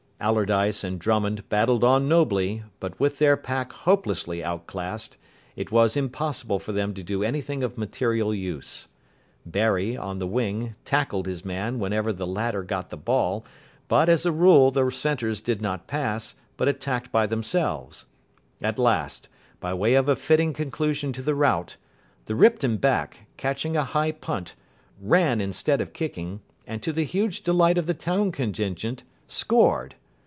Allardyce and Drummond battled on nobly, but with their pack hopelessly outclassed it was impossible for them to do anything of material use. Barry, on the wing, tackled his man whenever the latter got the ball, but, as a rule, the centres did not pass, but attacked by themselves. At last, by way of a fitting conclusion to the rout, the Ripton back, catching a high punt, ran instead of kicking, and, to the huge delight of the town contingent, scored.